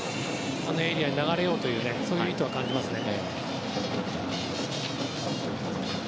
あのエリアに流れようという意図を感じますね。